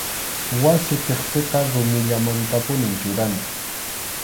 Wasi tiqsiqa rumillamantapunim churana.